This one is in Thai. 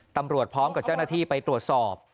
ตำรวจพร้อมกับเจ้าหน้าที่ไปตรวจสอบ